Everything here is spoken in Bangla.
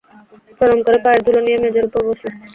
প্রণাম করে পায়ের ধুলো নিয়ে মেজের উপর বসল।